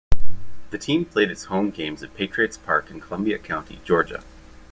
The team played its home games at Patriots Park in Columbia County, Georgia.